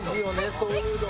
そういうの。